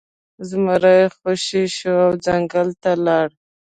زمری خوشې شو او ځنګل ته لاړ.